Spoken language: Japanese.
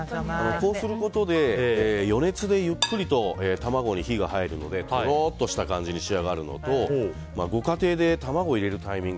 こうすることで余熱でゆっくりと卵に火が入るのでとろっとした感じに仕上がるのとご家庭で卵入れるタイミング